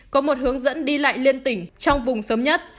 có một hướng dẫn đi lại liên tỉnh trong vùng sớm nhất